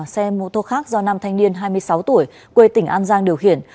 xe mô tô khác do nam thanh niên hai mươi sáu tuổi quê tỉnh an giang điều khiển